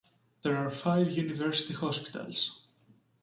There are five university hospitals.